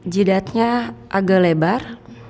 jidatnya agak lebar